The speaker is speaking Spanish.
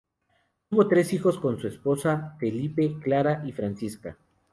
Tuvo tres hijos con su esposa: Felipe, Clara y Francisca.